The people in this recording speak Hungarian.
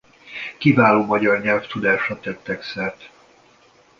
Kiváló magyar nyelvtudásra tettek szert.